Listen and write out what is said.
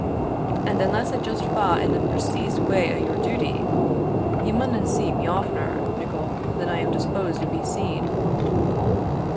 And, unless it just fa' in the preceese way o' your duty, ye maunna see me oftener, Nicol, than I am disposed to be seen."